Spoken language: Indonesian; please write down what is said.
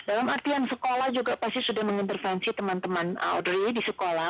dalam artian sekolah juga pasti sudah mengintervensi teman teman audrey di sekolah